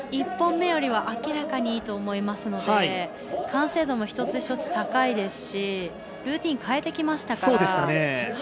１本目よりは明らかにいいと思いますので完成度も一つ一つ高いですしルーティン変えてきましたから。